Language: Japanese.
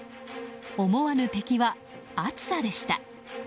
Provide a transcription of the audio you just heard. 思わぬ敵は、暑さでした。